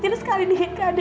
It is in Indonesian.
terserahnya dia siapa r liech